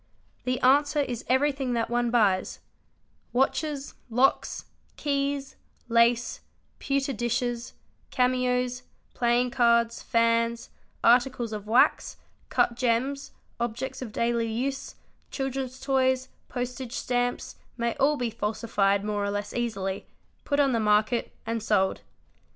The answer is everything that one buys : watches, locks, keys, lace, pewter dishes, cameos, playing cards, fans, arti cles of wax, cut gems, objects of daily use, children's toys, postage stamps may all be falsified more or less easily, put on the market, and sold.